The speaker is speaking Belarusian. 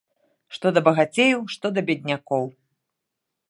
Што да багацеяў, што да беднякоў.